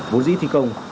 bố dĩ thi công